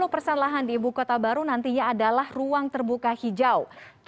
lima puluh persen lahan di ibu kota baru nantinya adalah ruang terbuka hijau